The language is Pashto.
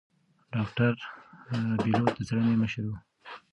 ډاکتره بېلوت د څېړنې مشرې وه.